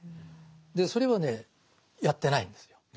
でそれはねやってないんですよ。